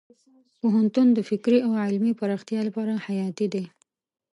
پوهنتون د فکري او علمي پراختیا لپاره حیاتي دی.